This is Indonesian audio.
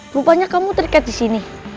rupanya kamu terikat disini